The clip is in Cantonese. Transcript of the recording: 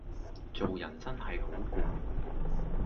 做人真係好攰